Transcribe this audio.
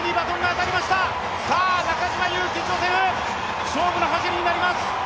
中島佑気ジョセフ、勝負の走りになります。